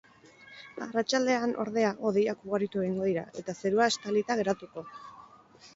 Arratsaldean, ordea, hodeiak ugaritu egingo dira eta zerua estalita geratuko.